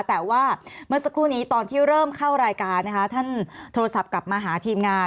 แต่ว่าเมื่อสักครู่นี้ตอนที่เริ่มเข้ารายการนะคะท่านโทรศัพท์กลับมาหาทีมงาน